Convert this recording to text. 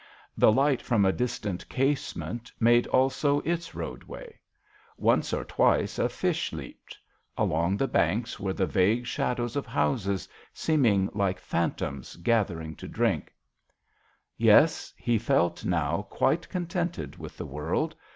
The light from a dis tant casement made also its roadway. Once or twice a fish leaped. Along the banks were the vague shadows of houses, seeming like phantoms gathering to drink. Yes ; he felt now quite con tented with the world.